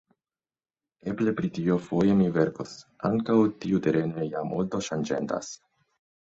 Eble pri tio foje mi verkos; ankaŭ tiuterene ja multo ŝanĝendas.